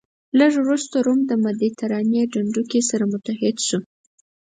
لږ وروسته روم د مدترانې ډنډوکی سره متحد شو.